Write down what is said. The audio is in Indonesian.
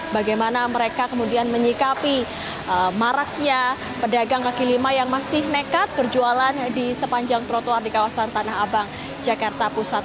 bagaimana mereka kemudian menyikapi maraknya pedagang kaki lima yang masih nekat berjualan di sepanjang trotoar di kawasan tanah abang jakarta pusat